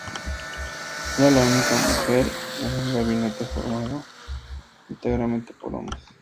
Era la única mujer en un gabinete formado íntegramente por hombres.